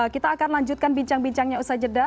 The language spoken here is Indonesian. kita akan lanjutkan bincang bincangnya usai jeda